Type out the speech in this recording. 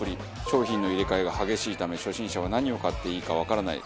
商品の入れ替えが激しいため初心者は何を買っていいかわからない。